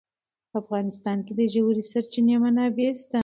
په افغانستان کې د ژورې سرچینې منابع شته.